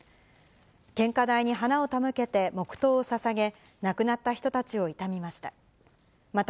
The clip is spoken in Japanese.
献花台に花を手向けて黙とうをささげ、亡くなった人たちを悼みました。